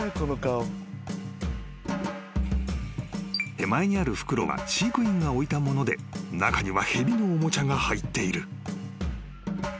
［手前にある袋は飼育員が置いたもので中には蛇のおもちゃが入っている］